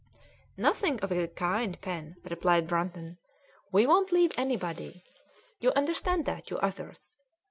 "Nothing of the kind, Pen," replied Brunton; "we won't leave anybody. You understand that, you others.